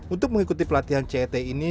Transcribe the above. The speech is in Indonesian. untuk mengikuti pelatihan cet ini